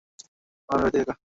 আমার মেয়ে বাড়িতে একা।